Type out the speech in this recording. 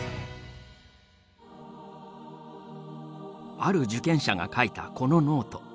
ある受験者が書いたこのノート。